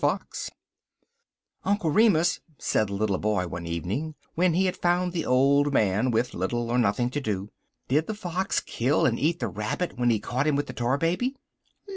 FOX "UNCLE REMUS," said the little boy one evening, when he had found the old man with little or nothing to do, "did the fox kill and eat the rabbit when he caught him with the Tar Baby?"